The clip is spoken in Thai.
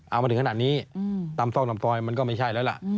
เอามาถึงขนาดนี้ตำส้มตำตอยมันก็ไม่ใช่แล้วล่ะ